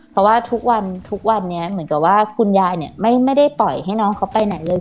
เพราะว่าทุกวันทุกวันนี้เหมือนกับว่าคุณยายเนี่ยไม่ได้ปล่อยให้น้องเขาไปไหนเลย